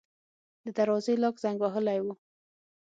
د دروازې لاک زنګ وهلی و.